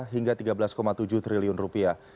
hingga tiga belas tujuh triliun rupiah